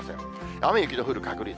雨、雪の降る確率。